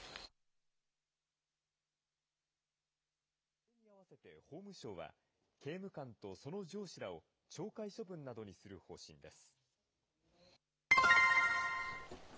これにあわせて法務省は、刑務官とその上司らを懲戒処分などにする方針です。